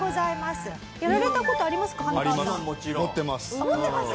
あっ持ってます？